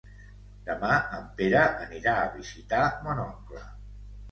Demà en Pere anirà a visitar mon oncle.